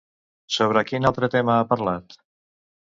Sobre quin altre tema ha parlat?